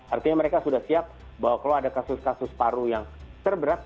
artinya mereka sudah siap bahwa kalau ada kasus kasus paru yang terberat